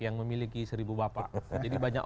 yang memiliki seribu bapak